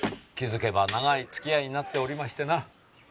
気づけば長い付き合いになっておりましてな。